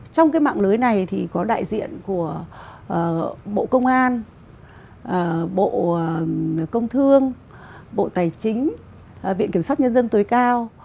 trong cái mạng lưới này thì có đại diện của bộ công an bộ công thương bộ tài chính viện kiểm sát nhân dân tối cao